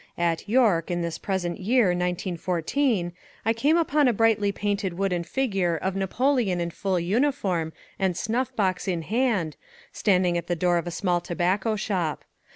At York, in this present year, 1914, I came upon a brightly painted wooden figure of Napoleon in full uniform and snuff box in hand, standing at the door of a small tobacco shop.